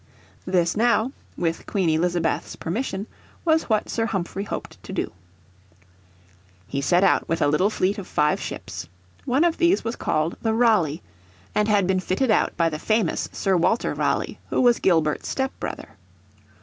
This now, with Queen Elizabeth's permission, was what Sir Humphrey hoped to do. He set out with a little fleet of five ships. One of these was called the Raleigh, and had been fitted out by the famous Sir Walter Raleigh who was Gilbert's step brother.